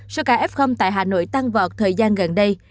số ca f tại hà nội tăng vọt thời gian gần đây